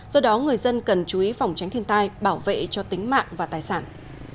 do đó người dân cần chú ý phòng tránh thiên tai bảo vệ cho tính mạng và tài sản